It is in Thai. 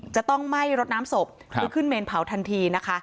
จะต้องไหม้รดน้ำศพคือขึ้นเมนเผาทันทีนะคะ